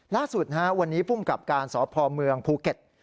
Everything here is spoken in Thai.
ล่าสุดวันนี้ภูมิกับการสพเมืองภูเก็ต